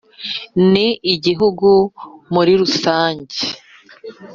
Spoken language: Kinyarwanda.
ni gihugu muri rusange,